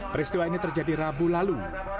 peristiwa ini terjadi rabu lalu